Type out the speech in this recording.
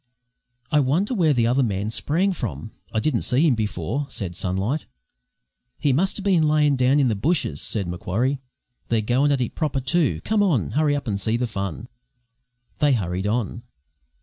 "I wonder where the other man sprang from? I didn't see him before," said Sunlight. "He muster bin layin' down in the bushes," said Macquarie. "They're goin' at it proper, too. Come on! Hurry up and see the fun!" They hurried on.